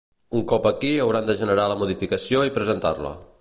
Un cop aquí hauran de generar la modificació i presentar-la.